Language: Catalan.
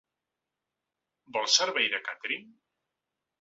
Vols servei de càtering?